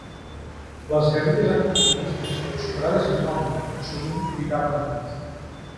Les guerrilles anticomunistes, superades en nombre, sovint lluitaven a mort.